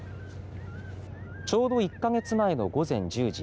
ちょうど１か月前の午前１０時。